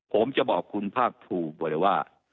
ผมจะบอกคุณภาคภูมิไว้เลยว่า